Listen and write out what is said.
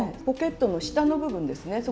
ポケットの下の部分ですね。